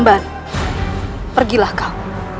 mbak pergilah kau